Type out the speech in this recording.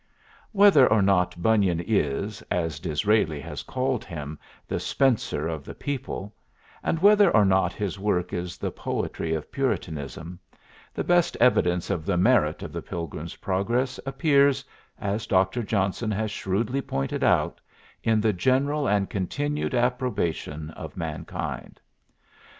Whether or not Bunyan is, as D'Israeli has called him, the Spenser of the people, and whether or not his work is the poetry of Puritanism, the best evidence of the merit of the "Pilgrim's Progress" appears, as Dr. Johnson has shrewdly pointed out, in the general and continued approbation of mankind.